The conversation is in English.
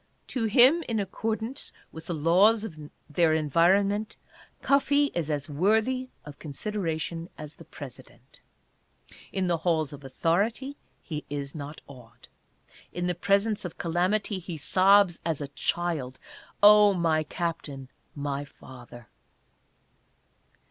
To him, in accord with the laws of their environment, Cuffee is as worthy of consideration as the President. In the halls of authority he is not awed. In the presence of calamity he sobs, as a child, " Oh my Captain — my Father